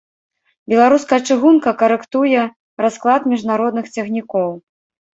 Беларуская чыгунка карэктуе расклад міжнародных цягнікоў.